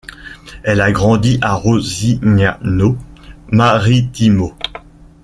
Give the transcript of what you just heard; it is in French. Elle a grandi à Rosignano Marittimo.